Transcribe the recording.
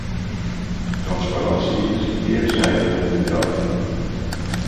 Transparantie is de keerzijde van de medaille.